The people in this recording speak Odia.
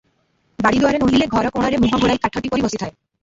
ବାଡ଼ିଦୁଆରେ, ନୋହିଲେ ଘରକୋଣରେ ମୁହଁ ଘୋଡାଇ କାଠଟି ପରି ବସିଥାଏ।